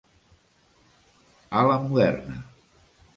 A la moderna.